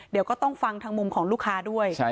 เดี๋ยวก็ต้องฟังทางมุมของลูกค้าด้วย